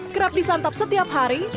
kerap disantap setiap hari